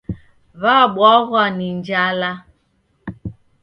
W'abw'aghw'a ni njala